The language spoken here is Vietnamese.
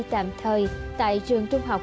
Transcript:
tạm thời tại trường trung học